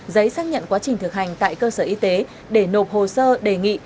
giấy xác nhận quá trình thực hành tại cơ sở y tế để nộp hồ sơ đề nghị